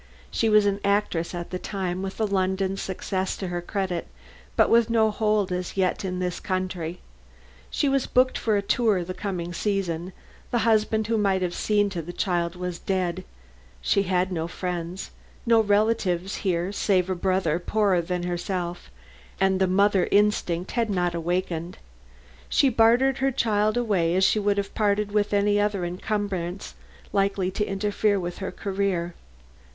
She was an actress at the time with a London success to her credit, but with no hold as yet in this country. She was booked for a tour the coming season; the husband who might have seen to the child was dead; she had no friends, no relatives here save a brother poorer than herself, and the mother instinct had not awakened. She bartered her child away as she would have parted with any other encumbrance likely to interfere with her career.